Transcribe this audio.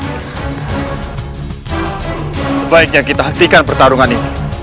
sebaiknya kita hentikan pertarungan ini